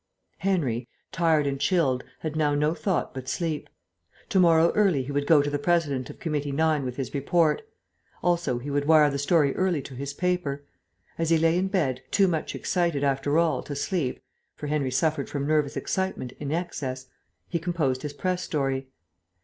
Henry, tired and chilled, had now no thought but sleep. To morrow early he would go to the President of Committee 9 with his report. Also he would wire the story early to his paper. As he lay in bed, too much excited, after all, to sleep (for Henry suffered from nervous excitement in excess) he composed his press story.